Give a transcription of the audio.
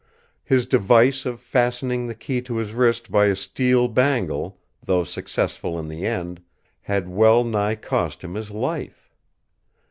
His device of fastening the key to his wrist by a steel bangle, though successful in the end, had wellnigh cost him his life.